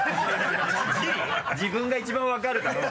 自分が一番分かるだろ。